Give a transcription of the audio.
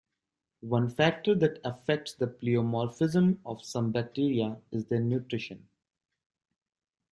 One factor that affects the pleomorphism of some Bacteria is their nutrition.